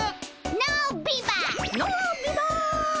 ノービバッ！